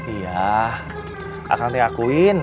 iya akang teh akuin